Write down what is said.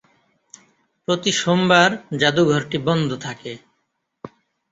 প্রতি সোমবার জাদুঘরটি বন্ধ থাকে।